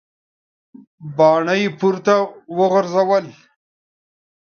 باڼه یې پورته وغورځول.